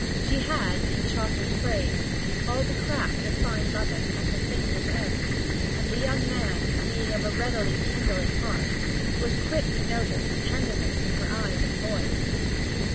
She had, in Chaucer's phrase, 'all the craft of fine loving' at her fingers' ends, and the young man, being of a readily kindling heart, was quick to notice the tenderness in her eyes and voice.